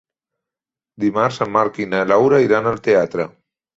Dimarts en Marc i na Laura iran al teatre.